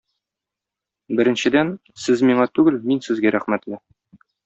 Беренчедән, сез миңа түгел, мин сезгә рәхмәтле.